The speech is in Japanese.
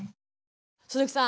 鈴木さん